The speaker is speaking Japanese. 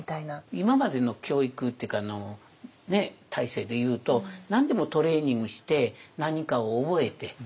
今までの教育っていうか体制で言うと何でもトレーニングして何かを覚えてねっ？